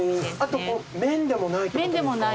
あと麺でもないってことですか？